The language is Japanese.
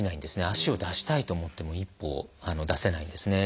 足を出したいと思っても一歩出せないんですね。